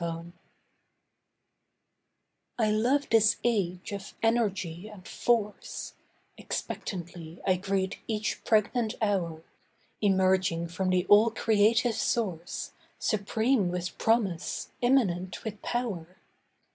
TO DAY I love this age of energy and force, Expectantly I greet each pregnant hour; Emerging from the all creative source, Supreme with promise, imminent with power.